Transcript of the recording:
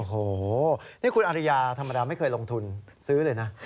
โอ้โหนี่คุณอริยาธรรมดาไม่เคยลงทุนซื้อเลยนะ